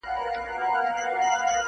o چاته که سکاره یمه اېرې یمه,